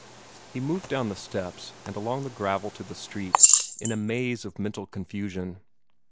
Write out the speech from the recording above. He moved down the steps, and along the gravel to the street, in a maze of mental confusion.